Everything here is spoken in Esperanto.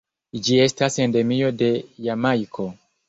Ĝi estas endemio de Jamajko.